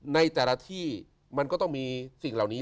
ในแต่ละที่มันก็ต้องมีสิ่งเหล่านี้